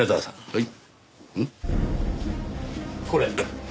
はい。